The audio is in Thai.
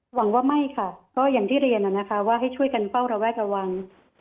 หวังว่าไม่ค่ะก็อย่างที่เรียนนะคะว่าให้ช่วยกันเฝ้าระแวดระวัง